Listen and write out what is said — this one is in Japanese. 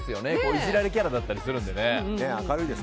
いじられキャラだったりするので。